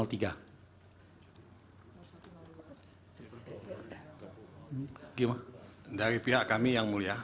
dari pihak kami yang mulya